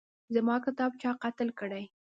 زما کتاب چا قتل کړی